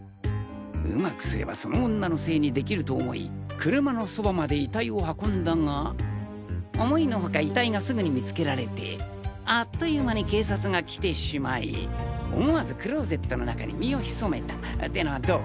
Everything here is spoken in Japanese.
うまくすればその女のせいにできると思い車のそばまで遺体を運んだが思いの外遺体がすぐに見つけられてあっという間に警察が来てしまい思わずクローゼットの中に身を潜めた！ってのはどう？